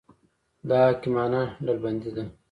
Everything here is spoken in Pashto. دا حکیمانه ډلبندي ده.